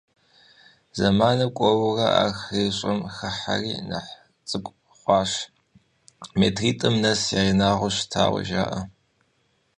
Зэманыр кӀуэурэ ахэри щӀым хыхьэри нэхъ цӀыкӀу хъуащ, метритӀым нэс я инагъыу щытауэ жаӀэ.